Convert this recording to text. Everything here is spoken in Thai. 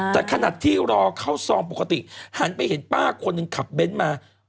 แต่ขนาดที่รอเข้าซองปกติหันไปเห็นป้าคนหนึ่งขับเบ้นมา